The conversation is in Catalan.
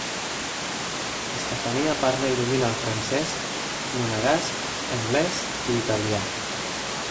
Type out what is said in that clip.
Estefania parla i domina el francès, monegasc, anglès i italià.